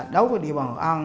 đối với địa bàn hội an